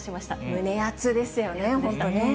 胸熱ですよね、本当ね。